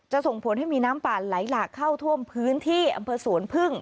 ส่งผลให้มีน้ำป่าไหลหลากเข้าท่วมพื้นที่อำเภอสวนพึ่ง